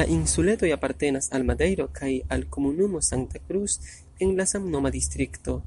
La insuletoj apartenas al Madejro kaj al komunumo Santa Cruz en la samnoma distrikto.